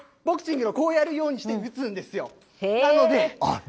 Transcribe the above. ボクシングの、こうやるようにして、打つんですよ。